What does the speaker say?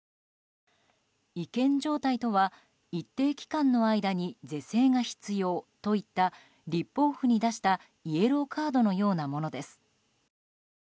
違憲状態とは、一定期間の間に是正が必要といった立法府に出したイエローカードのようなものです。